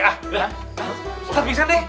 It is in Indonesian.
ustadz pingsan deh